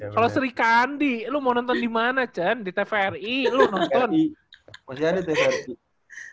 kalau sri kandi lu mau nonton dimana can di tvri lu nonton